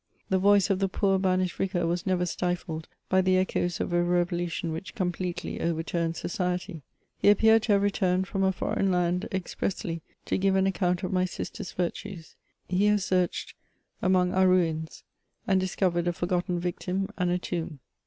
The voice of the poor banished vicar was never stifled by the echoes of a revolution which completely overturned society ; he appeared to have returned from a foreign land expressly to give an account of my sister's virtues : he has searched among our ruins, and discovered a forgotten victim and a tomb.